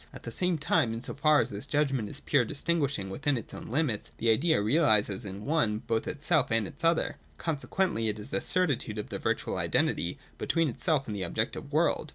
At the same time, in so far as this judgment is pure distinguishing within its own limits (§ 223), the idea realises in one both itself and its other. Consequently it is the certitude of the virtual identity between itself and the objective world.